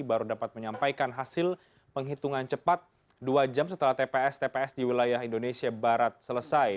baru dapat menyampaikan hasil penghitungan cepat dua jam setelah tps tps di wilayah indonesia barat selesai